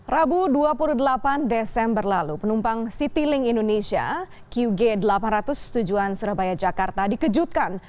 rabu dua puluh delapan desember lalu penumpang citylink indonesia qg delapan ratus tujuan surabaya jakarta dikejutkan